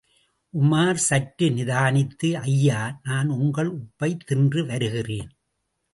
உமார் சற்று நிதானித்து ஐயா நான் உங்கள் உப்பைத் தின்று வருகிறேன்.